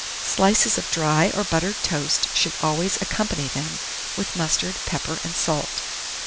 Slices of dry or buttered toast should always accompany them, with mustard, pepper, and salt.